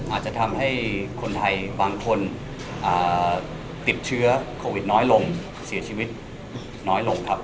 อาจจะทำให้คนไทยบางคนติดเชื้อโควิดน้อยลงเสียชีวิตน้อยลงครับ